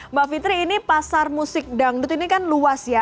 mbak fitri ini pasar musik dangdut ini kan luas ya